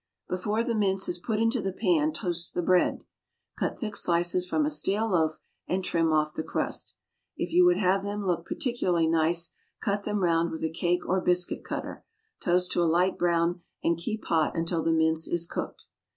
Before the mince is put into the pan, toast the bread. Cut thick slices from a stale loaf, and trim off the crust. If you would have them look particularly nice, cut them round with a cake or biscuit cutter. Toast to a light brown, and keep hot until the mince is cooked.